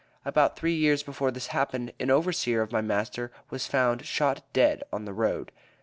About three years before this happened, an overseer of my master was found shot dead on the road.